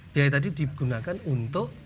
biaya tadi digunakan untuk